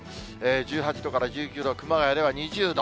１８度から１９度、熊谷では２０度。